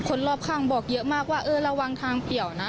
คนรอบข้างบอกเยอะมากว่าเออระวังทางเปรียวนะ